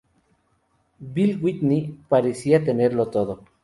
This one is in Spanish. Bill Whitney parecía tenerlo todo.